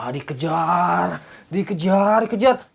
dikejar dikejar dikejar